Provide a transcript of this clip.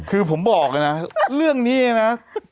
คือผมบอกเลยนะเรื่องนี้นะ